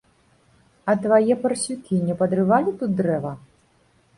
А твае парсюкі не падрывалі тут дрэва?